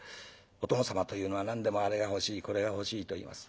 お殿様というのは何でもあれが欲しいこれが欲しいと言います。